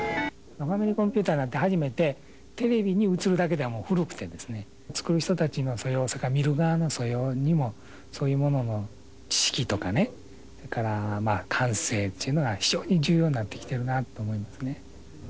ファミリーコンピュータなんて、初めてテレビに映るだけではもう古くて、作る人たちの素養とか、見る側の素養にも、そういうものの知識とかね、それから感性っていうのが非常に重要になってきてるなと思います